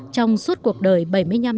trong suốt cuộc đời bảy mươi năm